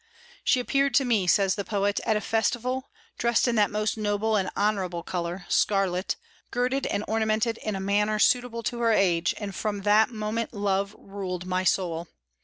"She appeared to me," says the poet, "at a festival, dressed in that most noble and honorable color, scarlet, girded and ornamented in a manner suitable to her age; and from that moment love ruled my soul.